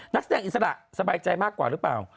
นักแสดงอิสระสบายใจมากกว่าหรือเปล่า